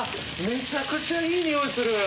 めちゃくちゃいい匂いする。